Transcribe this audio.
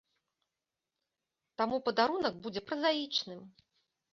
Таму падарунак будзе празаічным.